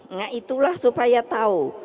nah itulah supaya tahu